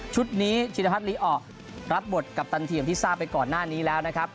นี้ชินพัฒนลีออกรับบทกัปตันทีมที่ทราบไปก่อนหน้านี้แล้วนะครับ